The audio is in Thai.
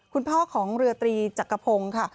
คุณพ่อของเรือตรีจักรพงศ์ค่ะ